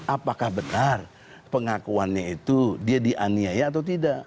apakah benar pengakuannya itu dia dianiaya atau tidak